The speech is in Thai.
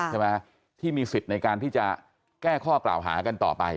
ใช่ไหมที่มีสิทธิ์ในการที่จะแก้ข้อกล่าวหากันต่อไป